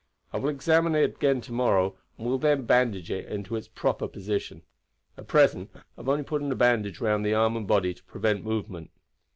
I will examine it again to morrow, and will then bandage it in its proper position. At present I have only put a bandage round the arm and body to prevent movement.